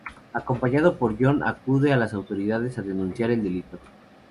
Acompañado por John acude a las autoridades a denunciar el delito.